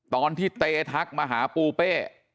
ตอนที่เตทักมาหาปูเป้